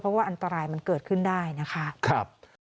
เพราะว่าอันตรายมันเกิดขึ้นได้นะคะ